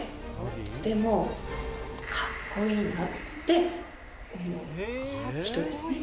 とてもかっこいいなって思う人ですね。